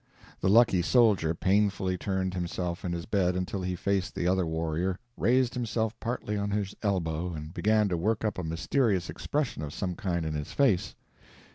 The lucky soldier painfully turned himself in his bed until he faced the other warrior, raised himself partly on his elbow, and began to work up a mysterious expression of some kind in his face.